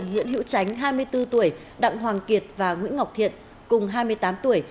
nguyễn hữu tránh hai mươi bốn tuổi đặng hoàng kiệt và nguyễn ngọc thiện cùng hai mươi tám tuổi